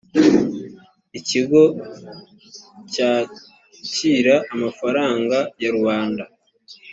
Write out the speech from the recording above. ikigo cyakira amafaranga ya rubanda.